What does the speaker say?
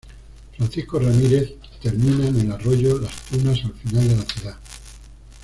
Francisco Ramírez, y termina en el Arroyo Las Tunas al final de la Ciudad.